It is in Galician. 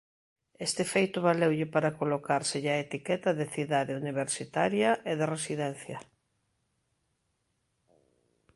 Este feito valeulle para colocárselle a etiqueta de cidade universitaria e de residencia.